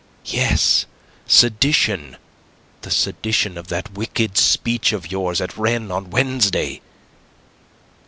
"Yes, sedition. The sedition of that wicked speech of yours at Rennes on Wednesday."